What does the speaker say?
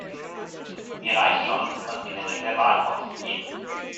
Mir reicht schon, was die Menschen verbal von sich geben.